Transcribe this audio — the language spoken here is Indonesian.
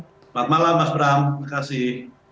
selamat malam mas bram terima kasih